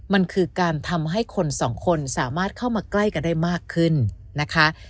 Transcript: มันคือการทำให้คนสองคนสามารถเข้ามาใกล้กันได้มากขึ้นนะคะ